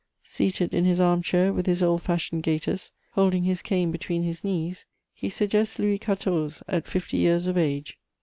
Seated in his arm chair, with his old fashioned gaiters, holding his cane between his knees, he suggests Louis XIV. at fifty years of age....